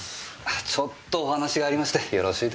ちょっとお話がありましてよろしいですか。